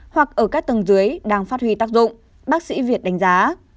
hoặc ở các tầng dưới đang phát huy tác dụng bác sĩ việt đánh giá